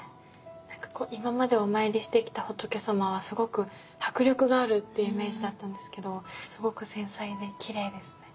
何か今までお参りしてきた仏様はすごく迫力があるっていうイメージだったんですけどすごく繊細できれいですね。